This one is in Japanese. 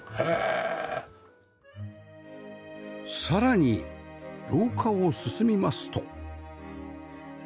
さらに廊下を進みますと